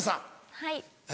「はい」